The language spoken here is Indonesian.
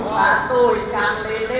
satu ikan lele